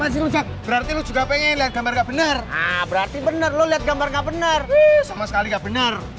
sama sekali gak benar